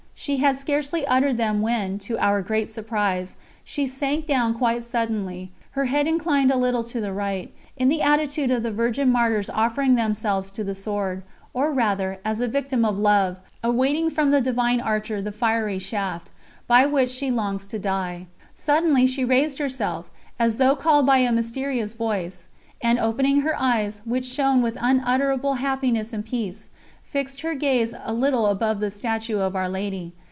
She had scarcely uttered them when, to our great surprise, she sank down quite suddenly, her head inclined a little to the right, in the attitude of the Virgin Martyrs offering themselves to the sword; or rather, as a Victim of Love, awaiting from the Divine Archer the fiery shaft, by which she longs to die. Suddenly she raised herself, as though called by a mysterious voice; and opening her eyes, which shone with unutterable happiness and peace, fixed her gaze a little above the statue of Our Lady.